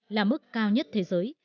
là mức cao nhất thế giới